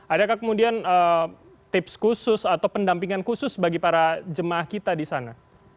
adakah kemudian tips khusus atau pendampingan khusus bagi para jemaah kita di sana